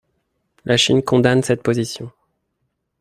La Chine condamne cette position.